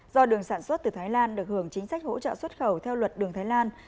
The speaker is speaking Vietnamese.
do đường sản xuất từ thái lan được hưởng chính sách hỗ trợ xuất khẩu theo luật đường thái lan